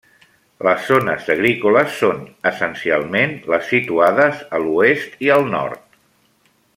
Les zones agrícoles són, essencialment, les situades a l'oest i al nord.